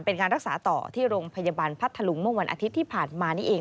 เป็นการรักษาต่อที่โรงพยาบาลพัทธลุงเมื่อวันอาทิตย์ที่ผ่านมานี่เอง